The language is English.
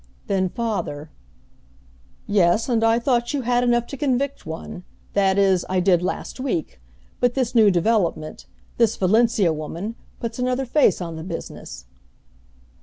Then father "Yes, and I thought you had enough to convict one that is I did last week. But this new development, this Valencia woman, puts another face on the business."